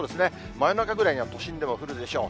真夜中ぐらいには都心でも降るでしょう。